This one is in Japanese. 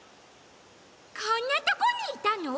こんなとこにいたの？